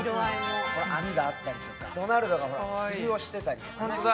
網があったりとかドナルドが釣りをしていたりとか。